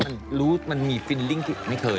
มันรู้มันมีฟิลลิ่งที่ไม่เคย